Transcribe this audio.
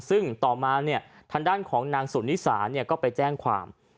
ซึ่งต่อมาเนี่ยทางด้านของนางสุนิสาก็ไปแจ้งความ